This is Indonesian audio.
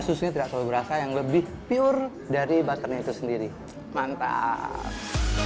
susunya tidak terlalu berasa yang lebih pure dari butternya itu sendiri mantap